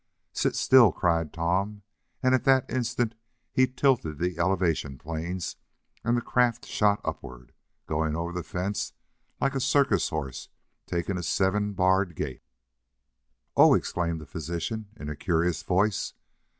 "Sit still!" cried Tom, and at that instant he tilted the elevation planes, and the craft shot upward, going over the fence like a circus horse taking a seven barred gate. "Oh!" exclaimed the physician in a curious voice.